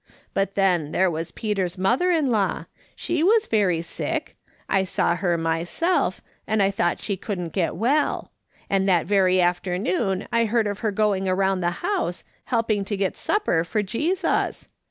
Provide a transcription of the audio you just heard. But then there was Peter's mother in law ; she was very sick ; I saw her myself, and I thought she couldn't get well ; and that very afternoon I heard of her going around the house, helping to get supper for Jesus.